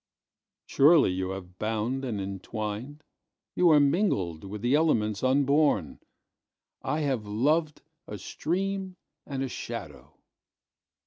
Surely you are bound and entwined, You are mingled with the elements unborn;I have loved a stream and a shadow.